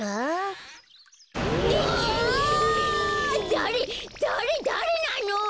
だれだれなの！？